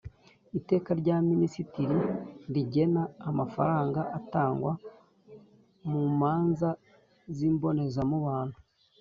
Iteka rya minisitiri rigena amafaranga atangwa mu manza z imbonezamubano